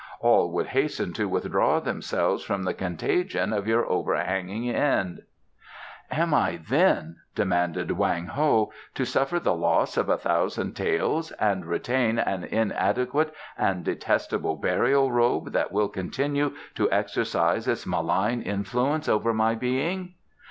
All would hasten to withdraw themselves from the contagion of your overhanging end." "Am I, then," demanded Wang Ho, "to suffer the loss of a thousand taels and retain an inadequate and detestable burial robe that will continue to exercise its malign influence over my being?"